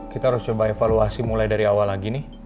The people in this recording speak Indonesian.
kita harus coba evaluasi mulai dari awal lagi nih